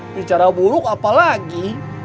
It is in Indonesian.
bicara buruk apa lagi